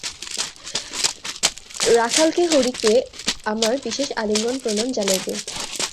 রাখালকে, হরিকে আমার বিশেষ আলিঙ্গন প্রণাম জানাইবে।